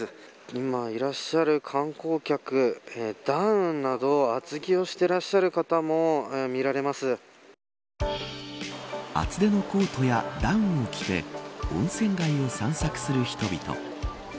今、いらっしゃる観光客ダウンなど厚着をしていらっしゃる方も厚手のコートやダウンを着て温泉街を散策する人々。